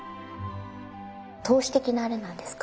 透視的なあれなんですか？